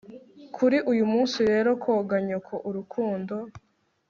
Kuri uyumunsi rero koga nyoko Urukundo